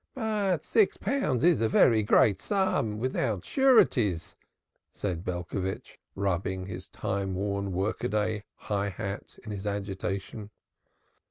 "But six pounds is a very great sum without sureties," said Belcovitch, rubbing his time worn workaday high hat in his agitation.